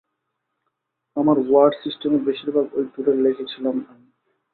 আমার ওয়ার্ড সিস্টেমের বেশিরভাগ ঐ ট্যুরেই লিখেছিলাম আমি।